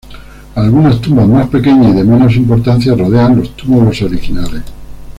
Algunas tumbas más pequeñas y de menos importancia rodean los túmulos originales.